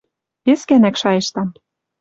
Вес гӓнӓк шайыштам.